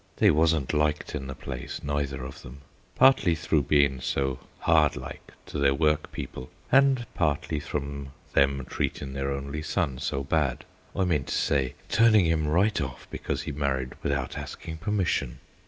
They wasn't liked in the place, neither of them, partly through bein' so hard like to their workpeople, and partly from them treating their only son so bad I mean to say turning him right off because he married without asking permission.